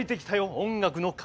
「音楽の神」？